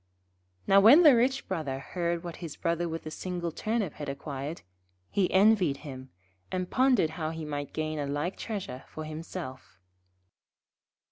Now, when the rich Brother heard what his Brother with the single Turnip had acquired, he envied him, and pondered how he might gain a like treasure for himself.